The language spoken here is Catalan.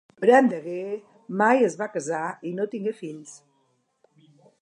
Brandegee mai es va casar i no tingué fills.